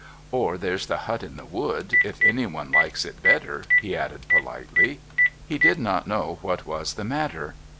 "Or there's the hut in the wood if anyone likes it better," he added politely. He did not know what was the matter.